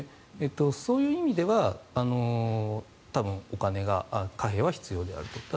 そういう意味では多分貨幣は必要であると。